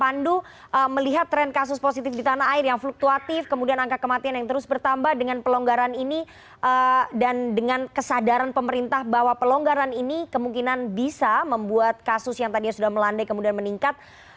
pandu melihat tren kasus positif di tanah air yang fluktuatif kemudian angka kematian yang terus bertambah dengan pelonggaran ini dan dengan kesadaran pemerintah bahwa pelonggaran ini kemungkinan bisa membuat kasus yang tadinya sudah melandai kemudian meningkat